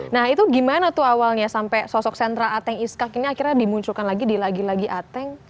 nah itu gimana tuh awalnya sampai sosok sentra ateng iskak ini akhirnya dimunculkan lagi di lagi lagi ateng